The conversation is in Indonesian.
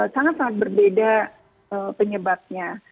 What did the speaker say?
sangat sangat berbeda penyebabnya